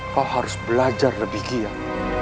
kau harus belajar lebih giat